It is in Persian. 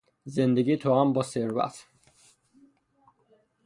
زندگی توام با ثروت